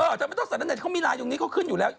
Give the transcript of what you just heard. จะไม่ต้องสารเต็ตเขามีลายตรงนี้เขาขึ้นอยู่แล้ว